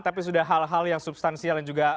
tapi sudah hal hal yang substansial dan juga